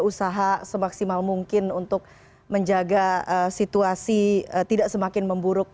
usaha semaksimal mungkin untuk menjaga situasi tidak semakin memburuk